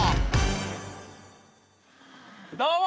どうも！